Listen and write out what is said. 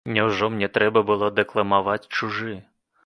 Няўжо мне трэба было дэкламаваць чужы?